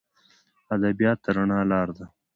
ادبیات د رڼا لار ده.